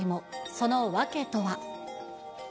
その訳とは。